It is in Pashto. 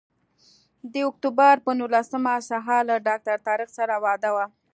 د اکتوبر پر نولسمه سهار له ډاکټر طارق سره وعده وه.